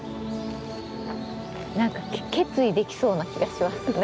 何か決意できそうな気がしますね